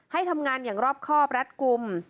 ให้ทำงานอย่างรอบครอบรัดกลุ่ม